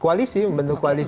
koalisi membentuk koalisi besar